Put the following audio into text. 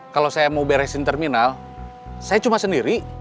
kalau saya mau beresin terminal saya cuma sendiri